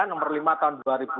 nomor lima tahun dua ribu dua puluh